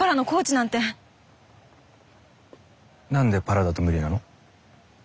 なんでパラだと無理なの？